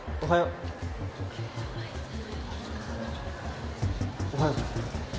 おはよう。